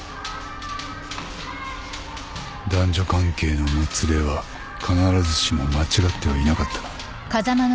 男女関係のもつれは必ずしも間違ってはいなかったな。